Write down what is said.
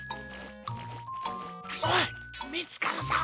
おいみつかるぞ！